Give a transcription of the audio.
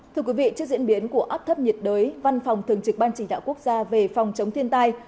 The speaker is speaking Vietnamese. thưa quý vị trước diễn biến của áp thấp nhiệt đới văn phòng thường trực ban chỉ đạo quốc gia về phòng chống thiên tai